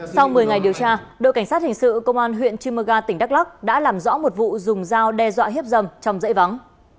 sau một mươi ngày điều tra đội cảnh sát hình sự công an huyện chimoga tỉnh đắk lắc đã làm rõ một vụ dùng dao đe dọa hiếp dầm trong dãy vắng